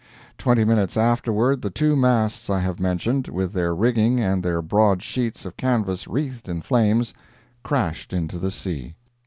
Twenty minutes afterward the two masts I have mentioned, with their rigging and their broad sheets of canvas wreathed in flames, crashed into the sea.